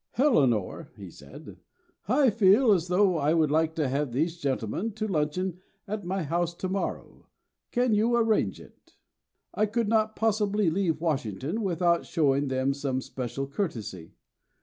"Eleanor," he said, "I feel as though I would like to have these gentlemen to luncheon at my house to morrow. Can you arrange it? I could not possibly leave Washington without showing them some special courtesy.